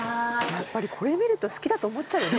やっぱりこれ見ると好きだと思っちゃうよね